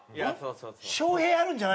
翔平あるんじゃないの？」。